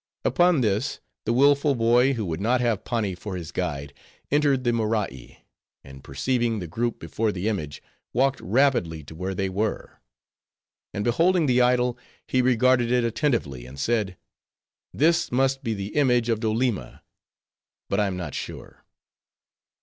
Upon this, the willful boy who would not have Pani for his guide, entered the Morai; and perceiving the group before the image, walked rapidly to where they were. And beholding the idol, he regarded it attentively, and said:—"This must be the image of Doleema; but I am not sure."